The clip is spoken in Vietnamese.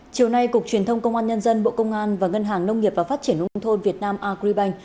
chiều nay cục truyền thông công an nhân dân bộ công an và ngân hàng nông nghiệp và phát triển nông thôn việt nam agribank